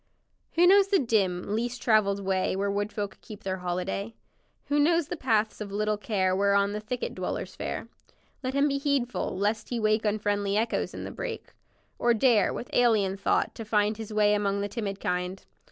Who knows the dim, least traveled way Where wood folk keep their holiday; Who knows the paths of little care Whereon the thicket dwellers fare, Let him be heedful, lest he wake Unfriendly echoes in the brake, Or dare, with alien thought, to find His way among the timid kind.